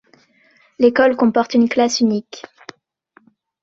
L'école comporte une classe unique.